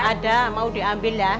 ada mau diambil ya